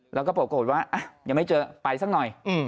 แล้วก็ปรากฏว่ายังไม่เจอไปสักหน่อย